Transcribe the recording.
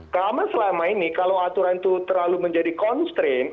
karena selama ini kalau aturan itu terlalu menjadi constraint